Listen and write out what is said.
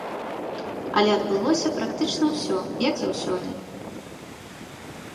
Але адбылося практычна ўсё, як заўсёды.